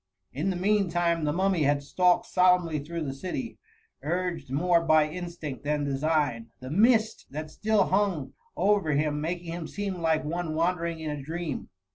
In the mean time the Mummy had stalked solemnly through the city, urged more by in stinct than design; the mist that still hung aver him, making him seem like one wandering in a dream.